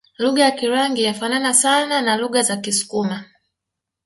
Lugha ya Kirangi yafanana sana na lugha za Kisukuma